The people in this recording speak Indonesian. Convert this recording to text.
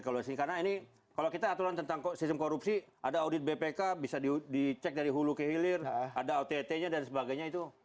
karena ini kalau kita aturan tentang sistem korupsi ada audit bpk bisa dicek dari hulu kehilir ada ott nya dan sebagainya itu